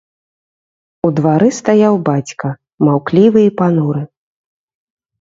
У двары стаяў бацька, маўклівы і пануры.